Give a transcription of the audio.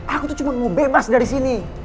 aku tuh cuma mau bebas dari sini